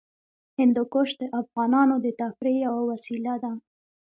هندوکش د افغانانو د تفریح یوه وسیله ده.